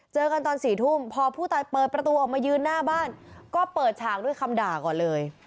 เจอกันตอน๔ทุ่มพอผู้ตายเปิดประตูออกมายืนหน้าบ้านก็เปิดฉากด้วยคำด่าก่อนเลย